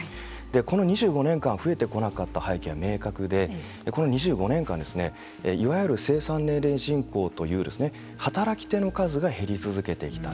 この２５年間増えてこなかった背景は明確で、この２５年間いわゆる生産年齢人口という働き手の数が減り続けてきた。